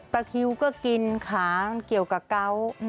คิวก็กินขามันเกี่ยวกับเกาะ